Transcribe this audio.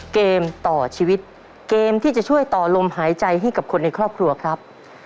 เกมต่อชีวิตเกมที่จะช่วยต่อลมหายใจให้กับคนในครอบครัวครับ